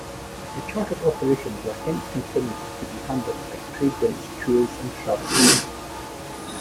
The chartered operations were hence continued to be handled by Tradewinds Tours and Travel.